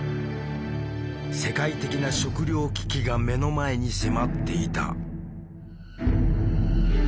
世界的な食糧危機が目の前に迫っていた。